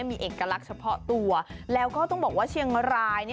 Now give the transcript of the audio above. มีเอกลักษณ์เฉพาะตัวแล้วก็ต้องบอกว่าเชียงราย